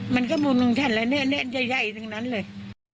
มันก็หมุนลงฉันแล้วเนี่ยใหญ่ตรงนั้นเลย